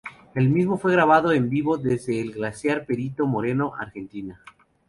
El mismo fue grabado en vivo desde el Glaciar Perito Moreno, Argentina.